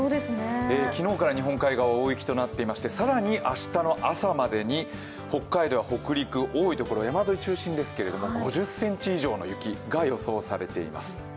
昨日から日本海側は大雪となっていまして更に明日の朝までに北海道や北陸、多い所は山沿い中心ですけど、５０ｃｍ以上の雪が予想されています。